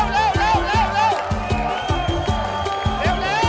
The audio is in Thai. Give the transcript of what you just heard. เร็ว